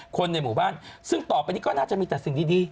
คนในหมู่บ้านซึ่งต่อไปนี้ก็น่าจะมีแต่สิ่งดี